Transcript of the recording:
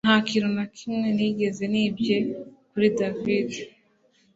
Nta kintu na kimwe nigeze nibye kuri David